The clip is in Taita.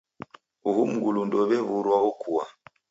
Uhu mngulu ndeuw'e w'urwa okua.